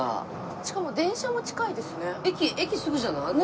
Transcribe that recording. しかも電車も近いですね。